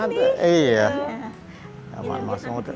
ini farsul kemantannya ini